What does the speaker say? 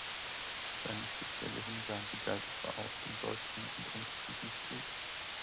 Seine spezielle Hingabe galt aber auch dem deutschen und englischen Liedgut.